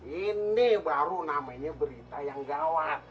ini baru namanya berita yang gawat